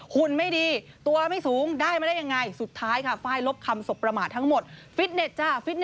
หุ่นไม่ดีตัวไม่สูงได้มาได้ยังไง